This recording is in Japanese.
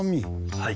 はい。